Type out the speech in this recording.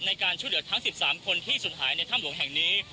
ในการช่วยเหลือทั้ง๑๓คนที่สุดหายในถ้ำหลวงแห่งนี้